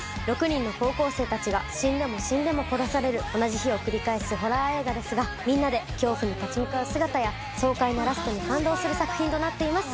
６人の高校生たちが死んでも死んでも殺される同じ日を繰り返すホラー映画ですが、みんなで恐怖に立ち向かう姿や爽快なラストに感動する作品となっています。